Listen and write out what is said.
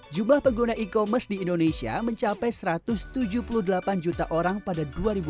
jumlah pengguna e commerce di indonesia mencapai satu ratus tujuh puluh delapan juta orang pada dua ribu dua puluh